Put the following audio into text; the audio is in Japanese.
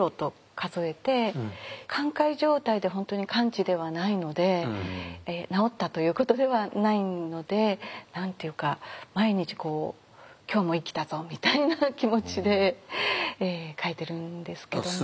寛解状態で本当に完治ではないので治ったということではないので何て言うか毎日こう「今日も生きたぞ」みたいな気持ちで書いてるんですけども。